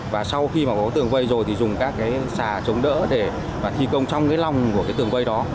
và sau khi có tường vây rồi thì dùng các xà chống đỡ để thi công trong lòng của tường vây đó